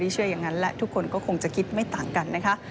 ฉะนั้นทุกคนก็คงจะคิดไม่ต่างกันนะคะ